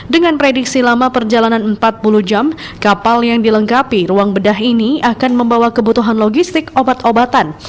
dengan prediksi lama perjalanan empat puluh jam kapal yang dilengkapi ruang bedah ini akan membawa kebutuhan logistik obat obatan